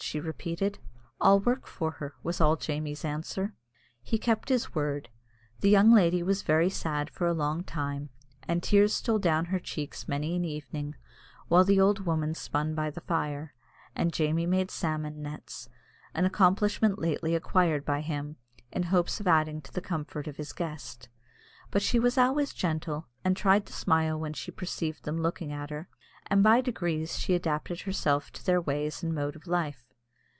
she repeated. "I'll work for her," was all Jamie's answer. He kept his word. The young lady was very sad for a long time, and tears stole down her cheeks many an evening while the old woman spun by the fire, and Jamie made salmon nets, an accomplishment lately acquired by him, in hopes of adding to the comfort of his guest But she was always gentle, and tried to smile when she perceived them looking at her; and by degrees she adapted herself to their ways and mode of life.